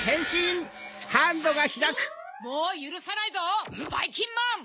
もうゆるさないぞばいきんまん！